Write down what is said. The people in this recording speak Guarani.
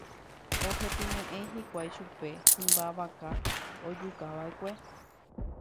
Ohepyme'ẽ hikuái chupe hymba vaka ojukava'ekue.